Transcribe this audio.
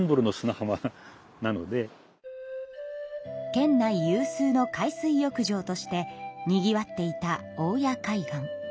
県内有数の海水浴場としてにぎわっていた大谷海岸。